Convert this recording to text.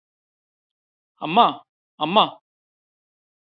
അമ്മാ അമ്മാ